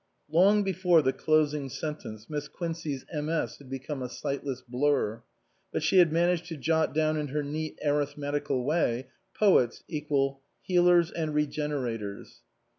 Long before the closing sentence Miss Quincey's MS. had become a sightless blur. But she had managed to jot down in her neat arithmetical way :" Poets = healers and regenerators."